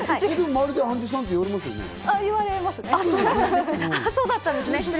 周りに「杏樹さん」って言われますよね。